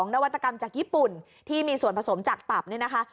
นวัตกรรมจากญี่ปุ่นที่มีส่วนผสมจากตับเนี่ยนะคะ